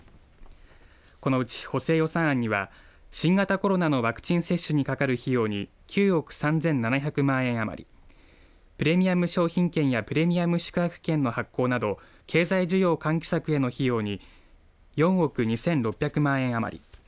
このうち補正予算案には新型コロナのワクチン接種にかかる費用に９億３７００万円余りプレミアム商品券やプレミアム宿泊券の発行など経済重要喚起策への費用に４億２６００万円余り。